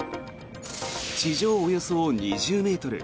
地上およそ２０ｍ。